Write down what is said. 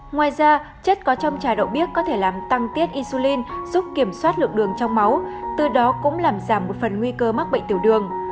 ngoài ra chất có trong trà đậu biếc có thể làm tăng tiết isulin giúp kiểm soát lượng đường trong máu từ đó cũng làm giảm một phần nguy cơ mắc bệnh tiểu đường